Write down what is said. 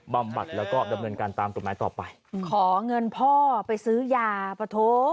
บำบัดแล้วก็ดำเนินการตามกฎหมายต่อไปขอเงินพ่อไปซื้อยาปะโถ